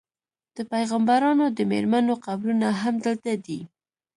د پیغمبرانو د میرمنو قبرونه هم دلته دي.